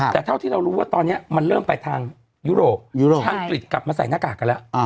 แต่เท่าที่เรารู้ว่าตอนนี้มันเริ่มไปทางยุโรปอังกฤษกลับมาใส่หน้ากากกันแล้ว